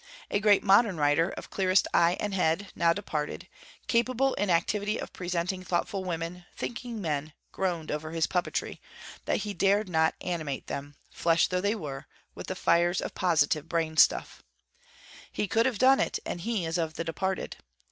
A great modern writer, of clearest eye and head, now departed, capable in activity of presenting thoughtful women, thinking men, groaned over his puppetry, that he dared not animate them, flesh though they were, with the fires of positive brainstuff. He could have done it, and he is of the departed!